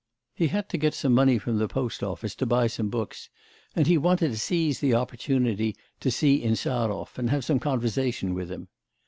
He had to get some money from the post office, to buy some books, and he wanted to seize the opportunity to see Insarov and have some conversation with him.